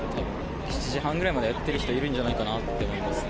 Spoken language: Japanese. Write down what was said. ７時半ぐらいまでやってる人いるんじゃないかなと思いますね。